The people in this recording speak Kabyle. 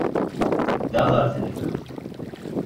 Tedda ɣer tnefrut.